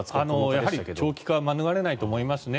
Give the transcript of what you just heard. やはり長期化は免れないと思いますね。